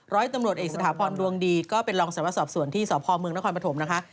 ร้อยตำรวจเอกสถาพรดวงดีก็เป็นรองสารวสอบสวนที่สพเมืองนครปฐมนะคะ